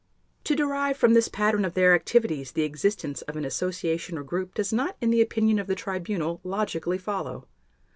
To derive from this pattern of their activities the existence of an association or group does not, in the opinion of the Tribunal, logically follow.